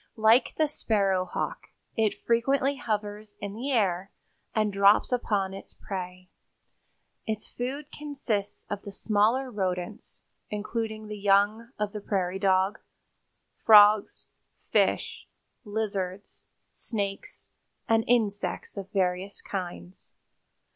Like the sparrowhawk, it frequently hovers in the air and drops upon its prey. Its food consists of the smaller rodents, including the young of the prairie dog, frogs, fish, lizards, snakes and insects of various kinds.